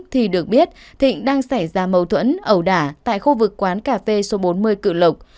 thì được biết thịnh đang xảy ra mâu thuẫn ẩu đả tại khu vực quán cà phê số bốn mươi cự lộc